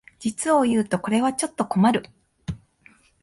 実をいうとこれはちょっと困る